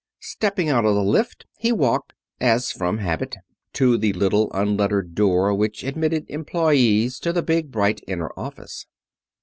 Stepping out of the lift he walked, as from habit, to the little unlettered door which admitted employes to the big, bright, inner office.